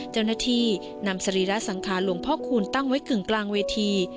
เจ้าหน้าที่นำสรีระสังขารหลวงพ่อคูณตั้งไว้กึ่งกลางเวที